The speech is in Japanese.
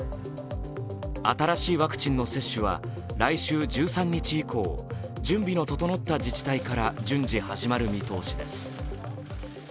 新しいワクチンの接種は来週１３日以降、準備の整った自治体から順次始まる見通しです。